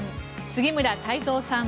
杉村太蔵さん